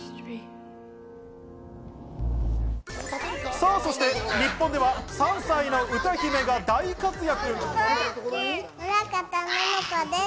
さぁ、そして日本では３歳の歌姫が大活躍！